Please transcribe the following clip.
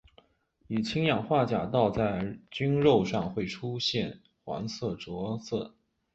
以氢氧化钾倒在菌肉上会出现黄色着色。